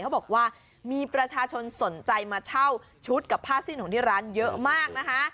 เขาบอกว่ามีประชาชนสนใจมาเช่าชุดกับผ้าสิ้นของที่ร้านเยอะมากนะคะ